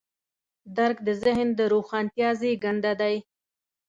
درک د ذهن د روښانتیا زېږنده دی.